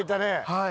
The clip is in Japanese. はい。